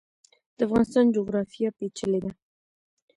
د افغانستان جغرافیا پیچلې ده